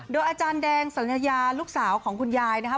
โดยอาจารย์แดงสัญญาลูกสาวของคุณยายนะครับ